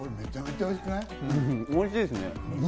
おいしいですね。